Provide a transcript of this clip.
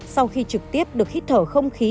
sau khi trực tiếp được hít thở không khí